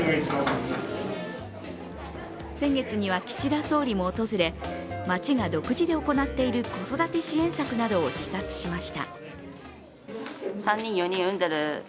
先月には岸田総理も訪れ町が独自で行っている子育て支援策などを視察しました。